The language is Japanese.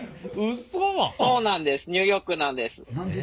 そうなんですニューヨークなんです。